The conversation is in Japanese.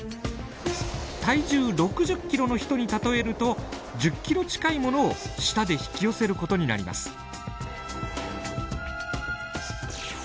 体重６０キロの人に例えると１０キロ近いものを舌で引き寄せることになります。